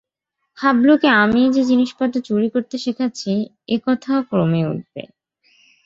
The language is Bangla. হাবলুকে আমিই যে জিনিসপত্র চুরি করতে শেখাচ্ছি এ কথাও ক্রমে উঠবে।